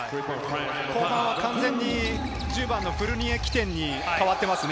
後半は完全に１０番のフルニエ起点に変わっていますね。